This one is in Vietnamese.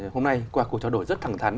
hôm nay qua cuộc trò đổi rất thẳng thắn